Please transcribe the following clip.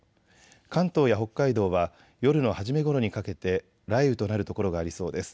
関東や北海道は夜の初めごろにかけて雷雨となる所がありそうです。